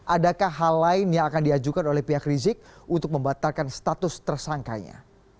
adakah hal lain yang akan diajukan oleh pihak rizik untuk membatalkan status tersangkanya